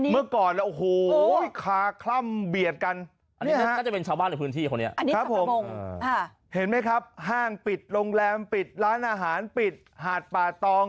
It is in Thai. เมื่อก่อนโอ้โฮขาคล่ำเบียดกัน